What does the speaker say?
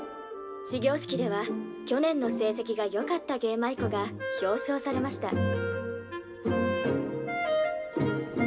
「始業式では去年の成績がよかった芸舞妓が表彰されました」。